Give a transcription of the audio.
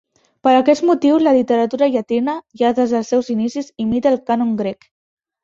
Per aquest motiu la literatura llatina, ja des dels seus inicis, imita el cànon grec.